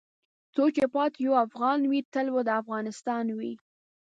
څو چې پاتې یو افغان وې تل به دا افغانستان وې .